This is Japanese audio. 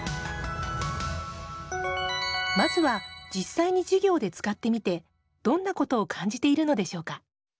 まずは実際に授業で使ってみてどんなことを感じているのでしょうか？